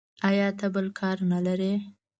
ایا ته بل کار نه لرې.